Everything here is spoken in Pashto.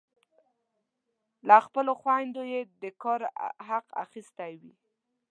له خپلو خویندو یې د کار حق اخیستی وي.